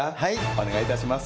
お願いいたします。